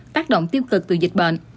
tác động tiêu cực từ dịch bệnh